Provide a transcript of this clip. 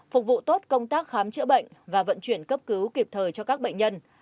phục vụ tốt công tác khám chữa bệnh và vận chuyển cấp cứu kịp thời cho các bệnh nhân